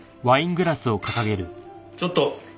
ちょっと。